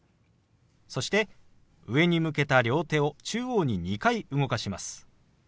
そして上に向けた両手を中央に２回動かします。